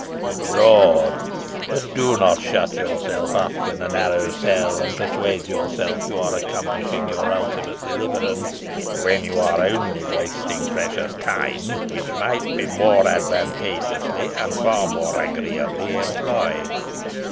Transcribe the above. Look abroad. But do not shut yourself up in a narrow cell, and persuade yourself you are accomplishing your ultimate deliverance, when you are only wasting precious time, which might be more advantageously and far more agreeably employed.